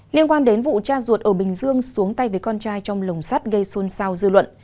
liên quan đến vụ cha ruột ở bình dương xuống tay với con trai trong lồng sắt gây xôn xao dư luận